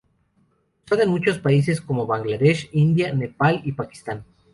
Usada en muchos países como Bangladesh, India, Nepal y Pakistán.